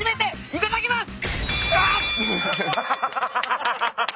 いただきます。